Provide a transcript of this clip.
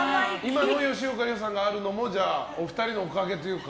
今の吉岡里帆さんがあるのもじゃあ、お二人のおかげというか。